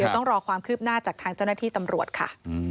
ต้องรอความคืบหน้าจากทางเจ้าหน้าที่ตำรวจค่ะ